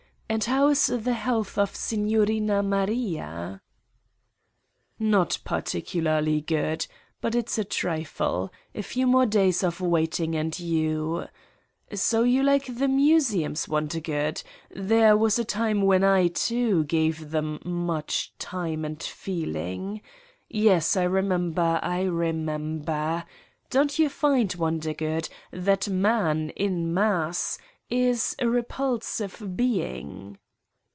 And how is the health of Signorina Maria !" "Not particularly good. But it's a trifle. A few more days of waiting and you ... So you like the museums, Wondergood? There was a time when I, too, gave them much time and feel ing. Yes, I remember, I remember. ... Don't you find, Wondergood, that man, in mass, is a repulsive being